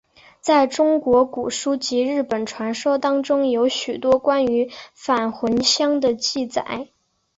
在中国古书及日本传说当中有许多关于返魂香的记载。